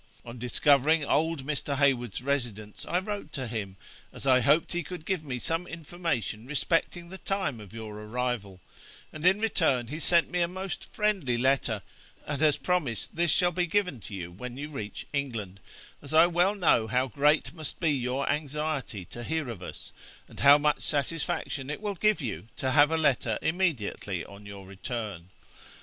On discovering old Mr. Hayward's residence, I wrote to him, as I hoped he could give me some information respecting the time of your arrival, and in return he sent me a most friendly letter, and has promised this shall be given to you when you reach England, as I well know how great must be your anxiety to hear of us, and how much satisfaction it will give you to have a letter immediately on your return.